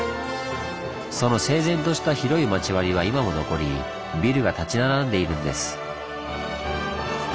その整然とした広い町割りは今も残りビルが立ち並んでいるんです。